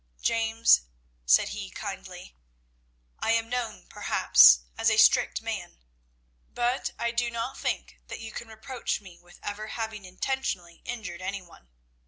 "James," said he kindly, "I am known perhaps as a strict man, but I do not think that you can reproach me with ever having intentionally injured any one.